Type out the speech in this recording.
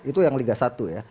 itu yang liga satu ya